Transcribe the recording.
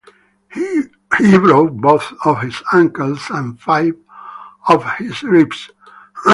He broke both of his ankles and five of his ribs.